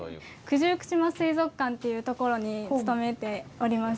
九十九島水族館っていうところに勤めております。